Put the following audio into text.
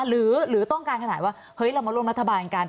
หรือต้องการขนาดว่าเฮ้ยเรามาร่วมรัฐบาลกัน